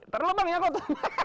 ternyata ini aku